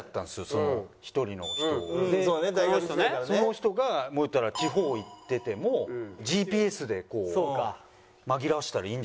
その人がもう言ったら地方行っててもＧＰＳでこう紛らわせたらいいんじゃないですか？